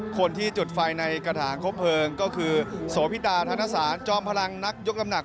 คนที่จุดไฟในกระถางครบเพลิงก็คือโสพิดาธนสารจอมพลังนักยกน้ำหนัก